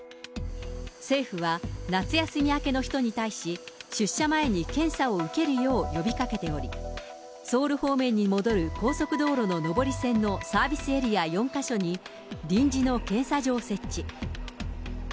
政府は夏休み明けの人に対し、出社前に検査を受けるよう呼びかけており、ソウル方面に戻る高速道路の上り線のサービスエリア４か所に、臨時の検査所を設置。